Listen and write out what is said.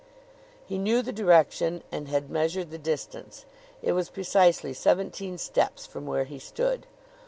He knew the direction and had measured the distance. It was precisely seventeen steps from where he stood.